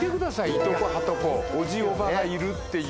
いとこはとこおじおばがいるっていう。